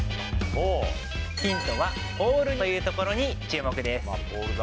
ヒントはポールというところに注目です。